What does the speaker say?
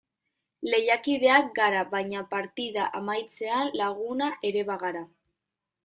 Lehiakideak gara baina partida amaitzean laguna ere bagara.